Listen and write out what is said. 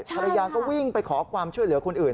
ภรรยาก็วิ่งไปขอความช่วยเหลือคนอื่น